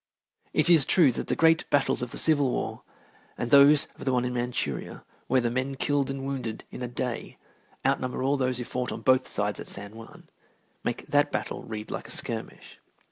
It is true that the great battles of the Civil War and those of the one in Manchuria, where the men killed and wounded in a day outnumber all those who fought on both sides at San Juan, make that battle read like a skirmish.